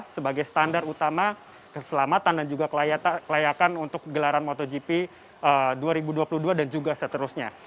sebagai standar utama keselamatan dan juga kelayakan untuk gelaran motogp dua ribu dua puluh dua dan juga seterusnya